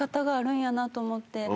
があるんやなと思って。